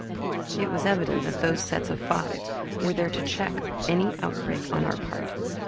It was evident that those sets of five were there to check any outbreak on our part.